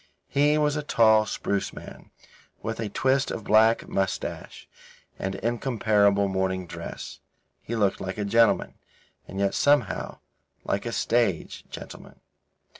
He was a tall, spruce man, with a twist of black moustache and incomparable morning dress. He looked like a gentleman, and yet, somehow, like a stage gentleman.